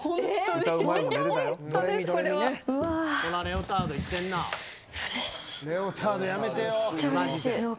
レオタードやめてよ。